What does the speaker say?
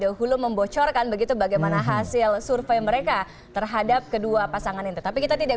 dahulu membocorkan begitu bagaimana hasil survei mereka terhadap kedua pasangan ini tapi kita tidak